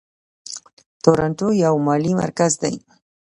تورنټو یو مالي مرکز دی.